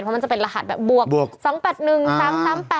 เพราะมันจะเป็นรหัสแบบบวก๒๘๑๓๓๘